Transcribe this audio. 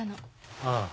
ああ。